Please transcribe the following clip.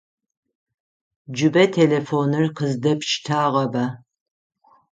Джыбэ телефоныр къыздэпштагъэба?